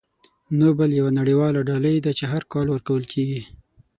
نوبل یوه نړیواله ډالۍ ده چې هر کال ورکول کیږي.